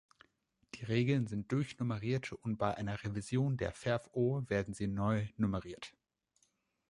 Die Regeln sind durchnummeriert und bei einer Revision der VerfO werden sie neu nummeriert.